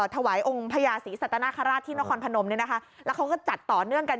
ถวายองค์พญาศรีสัตนคราชที่นครพนมเนี่ยนะคะแล้วเขาก็จัดต่อเนื่องกัน